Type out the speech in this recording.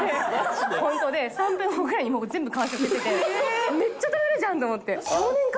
３分後ぐらいに全部完食してて、めっちゃ食べるじゃんって思って。